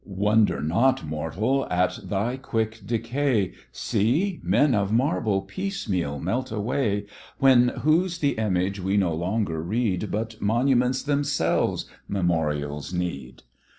Wonder not, Mortal, at thy quick decay See! men of marble piecemeal melt away; When whose the image we no longer read, But monuments themselves memorials need.